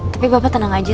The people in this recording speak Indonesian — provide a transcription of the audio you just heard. tapi bapak tenang aja